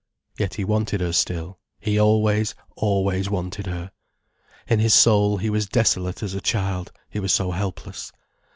Yet he wanted her still, he always, always wanted her. In his soul, he was desolate as a child, he was so helpless.